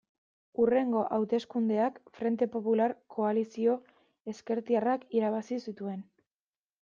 Hurrengo hauteskundeak Frente Popular koalizio ezkertiarrak irabazi zituen.